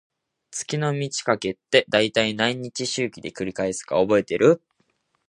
月の満ち欠けって、だいたい何日周期で繰り返すか覚えてる？